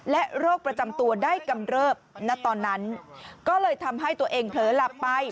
โรคประจำตัวได้กำเริบณตอนนั้นก็เลยทำให้ตัวเองเผลอหลับไป